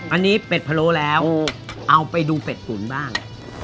อันนี้เป็ดไพร่อุ้ยอ๋อเอาไปดูเป็ดตุ๋นบ้าง